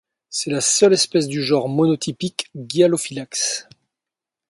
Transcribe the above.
C'est la seule espèce du genre monotypique Gyalophylax.